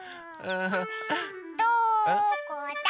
・どこだ？